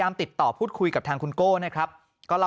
อารมณ์ไม่ดีเพราะว่าอะไรฮะ